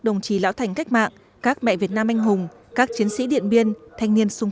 đồng chí lão thành cách mạng các mẹ việt nam anh hùng các chiến sĩ điện biên thanh niên sung